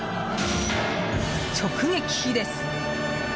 直撃です！